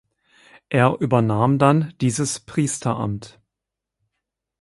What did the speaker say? Er übernahm dann dieses Priesteramt.